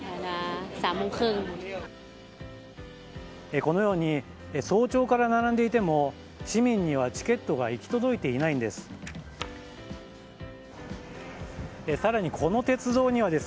このように早朝から並んでいても市民にはチケットが行き届いていないんです。